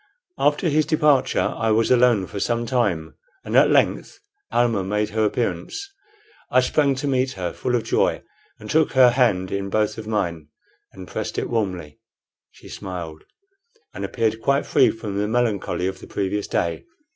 After his departure I was alone for some time, and at length Almah made her appearance. I sprang to meet her, full of joy, and took her hand in both of mine and pressed it warmly. She smiled, and appeared quite free from the melancholy of the previous day.